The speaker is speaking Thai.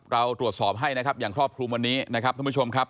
เราตรวจสอบให้นะครับอย่างครอบคลุมวันนี้นะครับท่านผู้ชมครับ